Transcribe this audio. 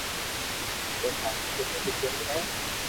پر ٿاري ڪوئي ھد ڪوئي ھي